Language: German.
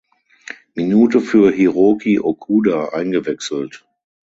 Minute für Hiroki Okuda eingewechselt.